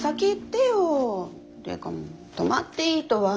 ていうか泊まっていいとは。